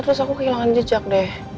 terus aku kehilangan jejak deh